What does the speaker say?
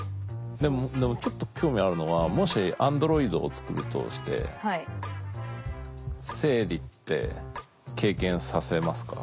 でもちょっと興味あるのはもしアンドロイドを作るとして生理って経験させますか？